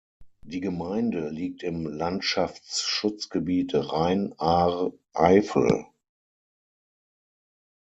Die Gemeinde liegt im Landschaftsschutzgebiet Rhein-Ahr-Eifel.